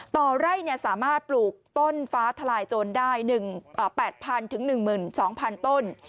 ต่อไร่สามารถปลูกต้นฟ้าทลายโจรได้๘๐๐๑๒๐๐๐ต้น